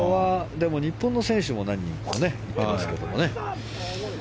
でも、日本の選手も何人か行ってますけどね。